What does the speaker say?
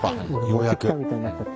ようやく。